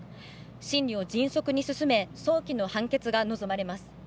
審理を迅速に進め早期の判決が望まれます。